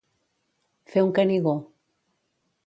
Fer un Canigó.